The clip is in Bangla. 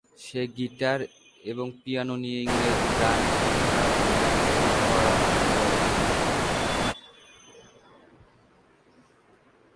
সে গীটার এবং পিয়ানো নিয়ে ইংরেজিতে গান লেখা এবং সুর করা শুরু করে।